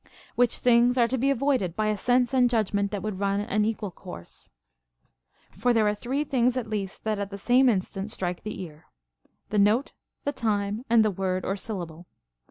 Which things are to be avoided by a sense and judgment that would run an equal course. 35. For there are three things at least that at the same instant strike the ear, — the note, the time, and the word or syllable.